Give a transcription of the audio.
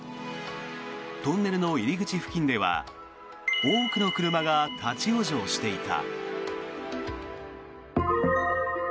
トンネルの入り口付近では多くの車が立ち往生していた。